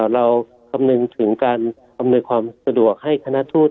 คำนึงถึงการอำนวยความสะดวกให้คณะทูต